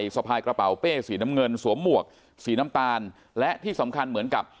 สะพายกระเป๋าเป้สีน้ำเงินสวมหมวกสีน้ำตาลและที่สำคัญเหมือนกับ